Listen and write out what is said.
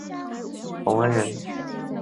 冯恩人。